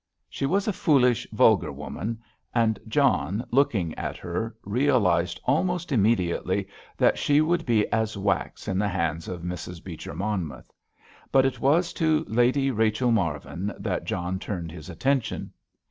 She was a foolish, vulgar woman, and John, looking at her, realised almost immediately that she would be as wax in the hands of Mrs. Beecher Monmouth. But it was to Lady Rachel Marvin that John turned his attention.